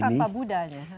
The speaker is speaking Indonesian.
tapi tanpa buddhanya